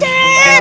jangan asal pencet